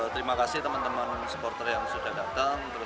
terima kasih teman teman supporter yang sudah datang